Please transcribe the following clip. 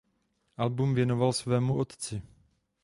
Album věnoval svému otci.